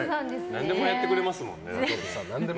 何でもやってくれますもんね。